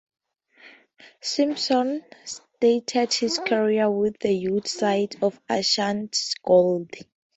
Simpson started his career with the youth side of Ashanti Gold.